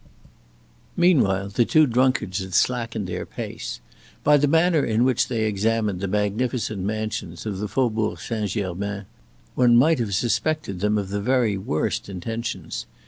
Meanwhile the two drunkards had slackened their pace. By the manner in which they examined the magnificent mansions of the Faubourg Saint German, one might have suspected them of the very worst intentions.